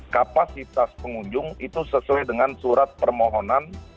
kapasitas pengunjung itu sesuai dengan surat permohonan